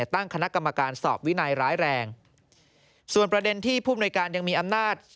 ตั้งคณะกรรมการสอบวินัยร้ายแรงส่วนประเด็นที่ผู้มนุยการยังมีอำนาจ